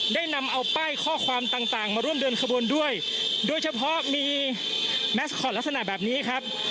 ได้นำเอาป้ายข้อความต่างมาร่วมเดินขบวนด้วยโดยเฉพาะมีแมสคอตลักษณะแบบนี้ครับ